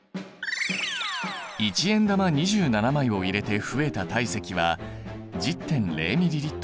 １円玉２７枚を入れて増えた体積は１０．０ｍＬ。